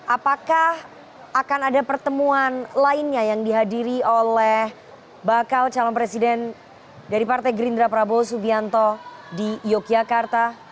apakah akan ada pertemuan lainnya yang dihadiri oleh bakal calon presiden dari partai gerindra prabowo subianto di yogyakarta